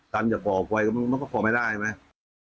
จะก่อไฟมันก็ก่อไม่ได้ไหม